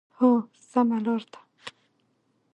هو، سمه لار ده